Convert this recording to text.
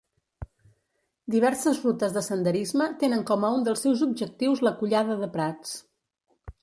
Diverses rutes de senderisme tenen com a un dels seus objectius la Collada de Prats.